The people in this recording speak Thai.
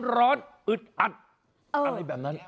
อึดอัดอะไรแบบนั้น